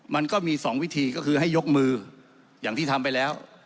มันก็มี๒วิธีก็คือให้ยกมืออย่างที่ทำไปแล้ว